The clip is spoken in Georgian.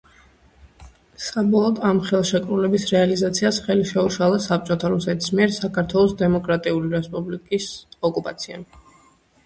საბოლოოდ, ამ ხელშეკრულების რეალიზაციას ხელი შეუშალა საბჭოთა რუსეთის მიერ საქართველოს დემოკრატიული რესპუბლიკის ოკუპაციამ.